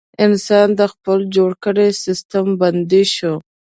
انسان د خپل جوړ کړي سیستم بندي شو.